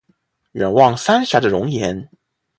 远望三峡的容颜